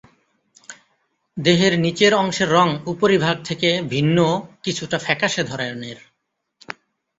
দেহের নিচের অংশের রং উপরিভাগ থেকে ভিন্ন কিছুটা ফ্যাকাশে ধরনের।